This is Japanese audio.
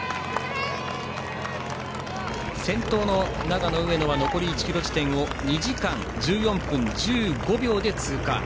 先頭の長野、上野は残り１ｋｍ地点を２時間１４分１５秒で通過。